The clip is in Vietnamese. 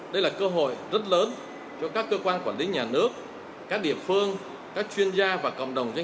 đây là cơ hội rất lớn cho các cơ quan quản lý nhà nước các địa phương các chuyên gia và cộng đồng doanh